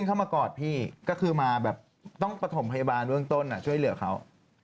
กลับมากอดพี่ก็คือมาแบบต้องปฐมพยาบาลเจอร์เดินระช่วยเหลือเขา